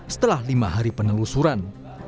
setelah lima hari penelusuran